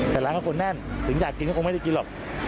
แต่ร้านก็คงแน่นถึงอยากกินก็คงไม่ได้กินหรอก